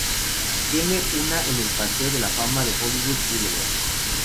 Tiene una en el Paseo de la fama de Hollywood Boulevard.